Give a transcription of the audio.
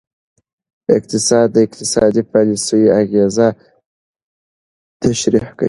اقتصاد د اقتصادي پالیسیو اغیزه تشریح کوي.